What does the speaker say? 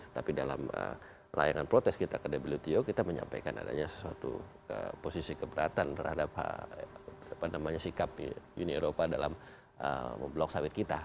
tapi dalam layangan protes kita ke wto kita menyampaikan adanya suatu posisi keberatan terhadap sikap uni eropa dalam memblok sawit kita